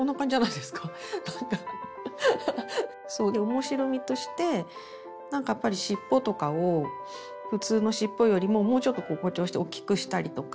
面白みとしてなんかやっぱりしっぽとかを普通のしっぽよりももうちょっと誇張しておっきくしたりとか。